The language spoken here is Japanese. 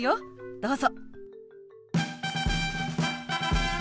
どうぞ。